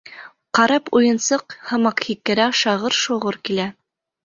Карап уйынсыҡ һымаҡ һикерә, шағыр-шоғор килә.